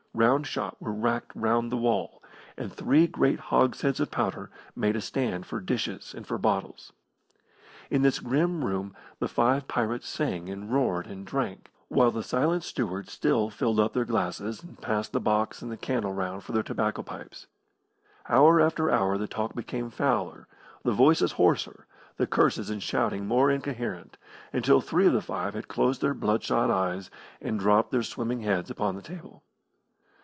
Round shot were racked round the wall, and three great hogsheads of powder made a stand for dishes and for bottles. In this grim room the five pirates sang and roared and drank, while the silent steward still filled up their glasses, and passed the box and the candle round for their tobacco pipes. Hour after hour the talk became fouler, the voices hoarser, the curses and shoutings more incoherent, until three of the five had closed their blood shot eyes, and dropped their swimming heads upon the table.